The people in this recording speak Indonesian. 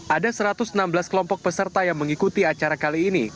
ada satu ratus enam belas kelompok peserta yang mengikuti acara kali ini